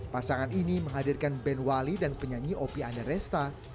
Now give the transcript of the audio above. pasangan ini menghadirkan band wali dan penyanyi op andresta